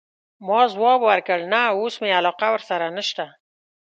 ما ځواب ورکړ: نه، اوس مي علاقه ورسره نشته.